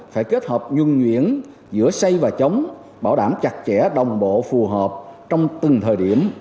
phải kết hợp nhuân nhuyễn giữa xây và chống bảo đảm chặt chẽ đồng bộ phù hợp trong từng thời điểm